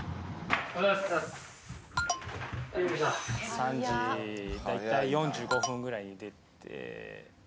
３時大体４５分ぐらいに出て。